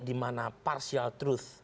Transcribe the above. dimana partial truth